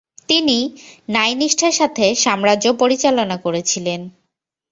তিনি ন্যায়নিষ্ঠার সাথে সাম্রাজ্য পরিচালনা করেছিলেন ।